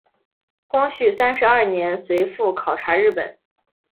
光绪三十二年随父考察日本。